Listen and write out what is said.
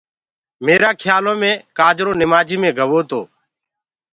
ميرآ کيآلو مي ڪآجرو نمآجيٚ مي گوو تو